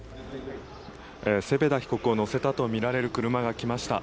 セペダ被告を乗せたとみられる車が来ました。